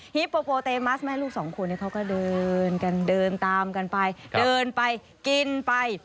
ฮิปโปโปเตมัสแม่ลูกสองคนเขาก็เดินกันเดินตามกันไปเดินไปกินไป